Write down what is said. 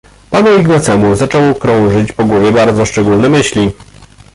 "Panu Ignacemu zaczęły krążyć po głowie bardzo szczególne myśli."